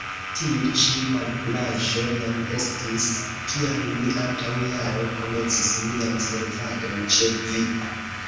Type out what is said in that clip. Tiu ĉi malpuraĵo jam estis, kiam mi antaŭ jaro komencis mian servadon ĉe vi.